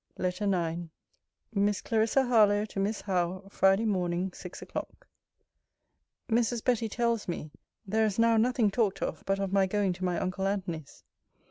LETTER IX MISS CLARISSA HARLOWE, TO MISS HOWE FRIDAY MORNING, SIX O'CLOCK Mrs. Betty tells me, there is now nothing talked of but of my going to my uncle Antony's.